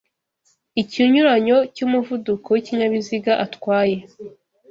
ikinyuranyo cy'umuvuduko w'ikinyabiziga atwaye